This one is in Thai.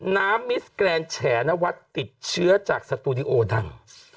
มิสแกรนแฉนวัดติดเชื้อจากสตูดิโอดัง